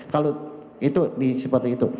kalau itu seperti itu